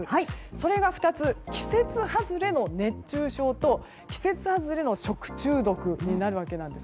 それが２つ季節外れの熱中症と季節外れの食中毒です。